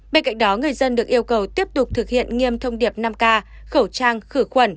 bên cạnh đó người dân được yêu cầu tiếp tục thực hiện nghiêm thông điệp năm k khẩu trang khử khuẩn